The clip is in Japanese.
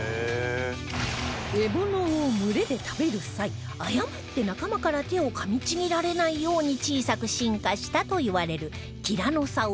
獲物を群れで食べる際誤って仲間から手を噛みちぎられないように小さく進化したといわれるティラノサウルスの手